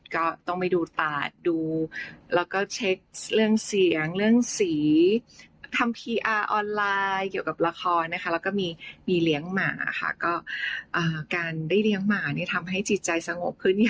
ก็ต้องไปดูตาดดูแล้วก็เช็คเรื่องเสียงเรื่องสีทำพีอาร์ออนไลน์เกี่ยวกับละครนะคะแล้วก็มีเลี้ยงหมาค่ะก็การได้เลี้ยงหมานี่ทำให้จิตใจสงบขึ้น